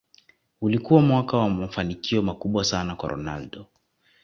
ulikuwa mwaka wa mafanikio makubwa sana kwa ronaldo